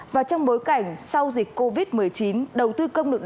và trong bối cảnh sau dịch covid một mươi chín